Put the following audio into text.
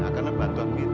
aku datang pun